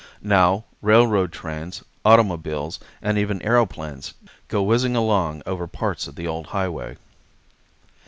Now railroad trains, automobiles, and even aëroplanes go whizzing along over parts of the old highway.